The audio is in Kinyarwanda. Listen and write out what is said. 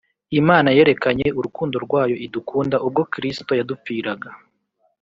Imana yerekanye urukundo rwayo idukunda ubwo Kristo yadupfiraga.